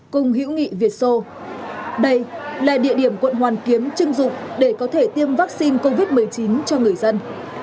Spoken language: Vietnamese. cùng hữu nghị việt sô đây là địa điểm quận hoàn kiếm chưng dụng để có thể tiêm vaccine covid một mươi chín cho người dân